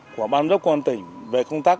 của ban giáp công an tỉnh về công tác